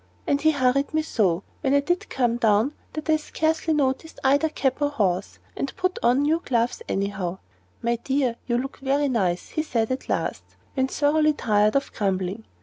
And he hurried me so, when I did come down, that I scarcely noticed either cab or horse, and put on my new gloves anyhow. "My dear, you look very nice," he said at last, when thoroughly tired of grumbling.